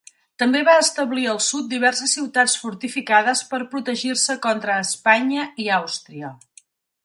També va establir al sud diverses ciutats fortificades per a protegir-se contra Espanya i Àustria.